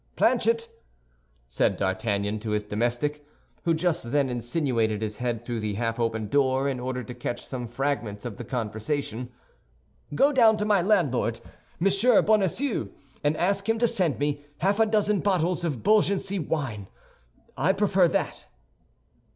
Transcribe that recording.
"Planchet," said D'Artagnan to his domestic, who just then insinuated his head through the half open door in order to catch some fragments of the conversation, "go down to my landlord, Monsieur Bonacieux, and ask him to send me half a dozen bottles of Beaugency wine; I prefer that."